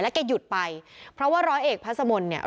แกหยุดไปเพราะว่าร้อยเอกพระสมนต์เนี่ย